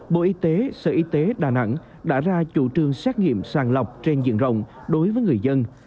bộ y tế sở y tế đà nẵng đã ra chủ trương xét nghiệm sàng lọc trên diện rộng đối với người dân